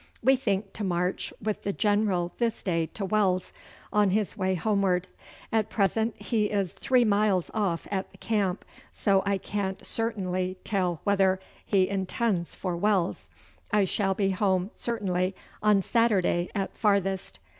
We think to march with the General this day to Wells, on his way homeward. At present he is 3 miles off at the camp, soe I can't certainly tell whether he intends for Wells. I shall be home certainly on Saturday at farthest.